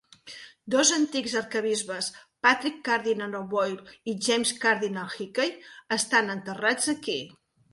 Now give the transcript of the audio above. Dos antics arquebisbes, Patrick Cardinal O'Boyle i James Cardinal Hickey, estan enterrats aquí.